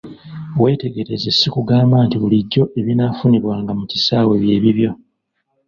Weetegereze si kugamba nti bulijjo ebinaafunibwanga mu kisaawe byebiibyo.